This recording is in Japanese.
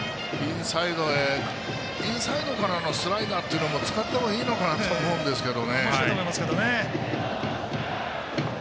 インサイドからのスライダーというのも使ったほうがいいのかなと思いますけど。